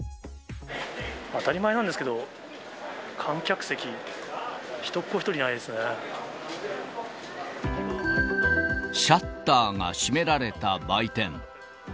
当たり前なんですけど、観客席、シャッターが閉められた売店。